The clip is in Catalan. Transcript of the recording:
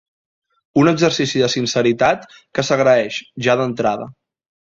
Un exercici de sinceritat que s'agraeix, ja d'entrada.